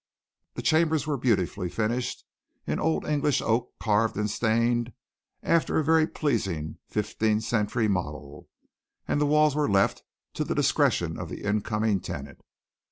The chambers were beautifully finished in old English oak carved and stained after a very pleasing fifteenth century model, and the walls were left to the discretion of the incoming tenant.